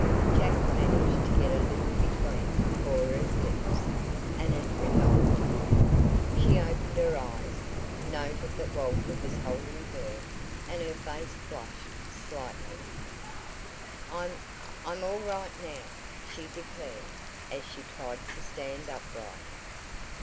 Jack managed to get a little between Cora's lips, and it revived her. She opened her eyes, noted that Walter was holding her, and her face flushed slightly. "I'm I'm all right now," she declared as she tried to stand upright.